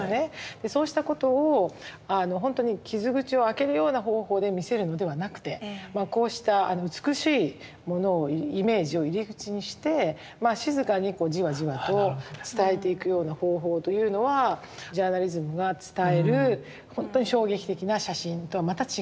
でそうしたことをほんとに傷口を開けるような方法で見せるのではなくてこうした美しいものをイメージを入り口にして静かにこうじわじわと伝えていくような方法というのはジャーナリズムが伝えるほんとに衝撃的な写真とはまた違って。